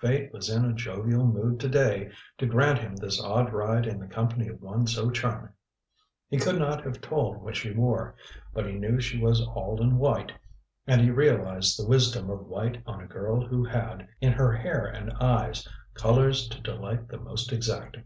Fate was in a jovial mood to day to grant him this odd ride in the company of one so charming! He could not have told what she wore, but he knew she was all in white, and he realized the wisdom of white on a girl who had, in her hair and eyes, colors to delight the most exacting.